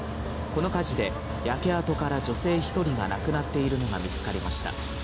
この火事で、焼け跡から女性１人が亡くなっているのが見つかりました。